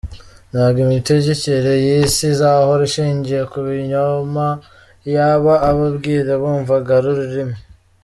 Ntabwo Imitegekere y’ Isi izahora ishingiye ku binyoma iyaba aba mbwira bumvaga uru rurimi…………….